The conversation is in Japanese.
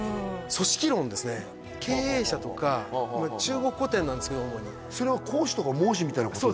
組織論をですね経営者とか中国古典なんですけど主にそれは孔子とか孟子みたいなことですか？